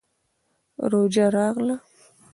روژه راغله.